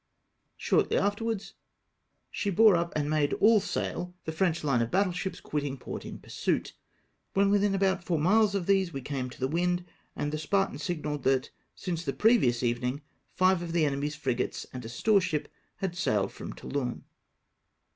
Shortly afterwards she bore up and made all 28(? ORDERED TO GIBRALTAR. sail, tlie Frencli line of battle ships quitting port in pursuit. When within about four miles of these we came to the wind, and the Spartan signalled that, since the previous evening, five of the enemy's frigates and a storeship had sailed from Toulon.